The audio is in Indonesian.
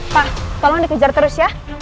pak tolong dikejar terus ya